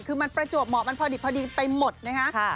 คือมันประจวบเหมาะมันพอดีไปหมดนะคะ